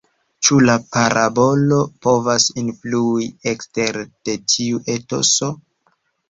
Ĉu la parabolo povas influi ekstere de tiu etoso?